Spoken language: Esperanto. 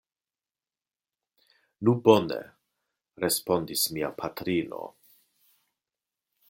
Nu, bone, respondis mia patrino.